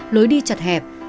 đường đi chặt hẹp